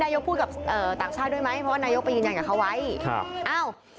นายกรัฐมนตรีก็พูดทิ้งท้ายไว้นะว่าแค่เลื่อนไปไม่กี่วันมันจะเป็นจะตายกันหรือยังไง